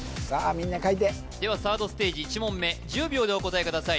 みんな書いてではサードステージ１問目１０秒でお答えください